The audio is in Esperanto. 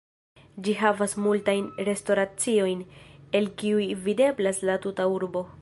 Ĝi havas multajn restoraciojn, el kiuj videblas la tuta urbo.